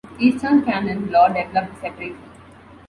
Eastern canon law developed separately.